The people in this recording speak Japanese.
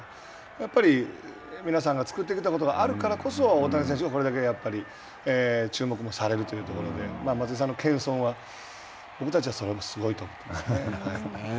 やっぱり皆さんが作ってきたことがあるからこそ、大谷選手がこれだけやっぱり注目もされるというところで松井さんの謙遜は、僕たちはすごいと思っていますね。